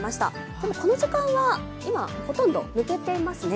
でもこの時間は今、ほとんど抜けていますね。